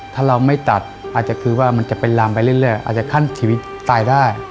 ถ้าเราไม่ตัดอาจจะคือว่ามันจะเป็นลามไปเรื่อยอาจจะขั้นชีวิตตายได้